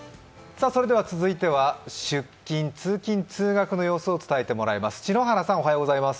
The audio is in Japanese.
続いては出勤、通勤・通学の様子を伝えてもらいます。